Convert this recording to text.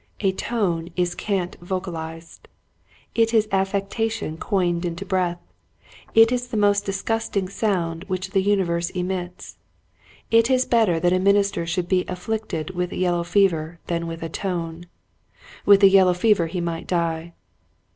A tone is cant vocalized. It is affectation coined into breath. It is the most disgust ing sound which the universe emits. It is better that a minister should be afflicted with yellow fever than with a tone. With the yellow fever he might die.